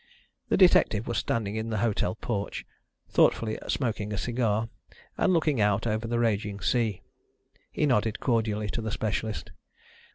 The detective was standing in the hotel porch, thoughtfully smoking a cigar, and looking out over the raging sea. He nodded cordially to the specialist.